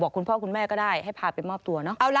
คุณพ่อคุณแม่ก็ได้ให้พาไปมอบตัวเนาะ